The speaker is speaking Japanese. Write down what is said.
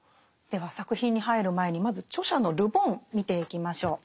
では作品に入る前にまず著者のル・ボン見ていきましょう。